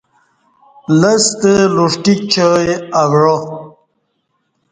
لستہ لوݜٹیک چائ اوعا